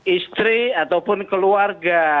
istri ataupun keluarga